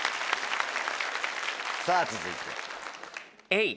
さぁ続いて。